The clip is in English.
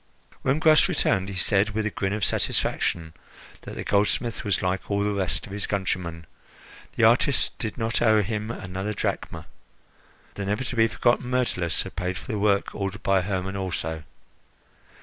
When Gras returned, he said, with a grin of satisfaction, that the goldsmith was like all the rest of his countrymen. The artists did not owe him another drachm; the never to be forgotten Myrtilus had paid for the work ordered by Hermon also.